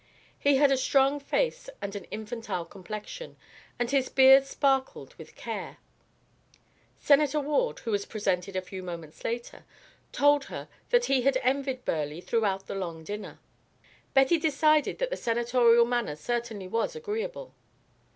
He had a strong face and an infantile complexion, and his beard sparkled with care. Senator Ward, who was presented a few moments later, told her that he had envied Burleigh throughout the long dinner. Betty decided that the senatorial manner certainly was agreeable.